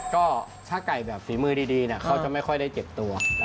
ก็ถ้าไก่แบบฝีมือดีเขาจะไม่ค่อยได้เจ็บตัว